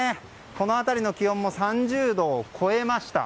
この辺りの気温も３０度を超えました。